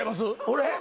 俺？